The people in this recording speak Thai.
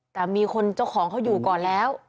แต่มีคนเจ้าของเขาอยู่ก่อนแล้ว